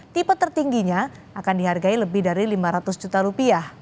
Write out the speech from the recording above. tipe tertingginya akan dihargai lebih dari lima ratus juta rupiah